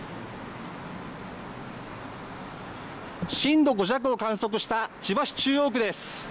震度５弱を観測した千葉市中央区です。